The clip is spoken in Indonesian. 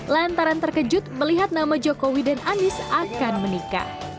lantaran terkejut melihat nama jokowi dan anies akan menikah